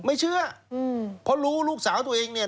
ไม่เชื่อเพราะรู้ลูกสาวตัวเองเนี่ย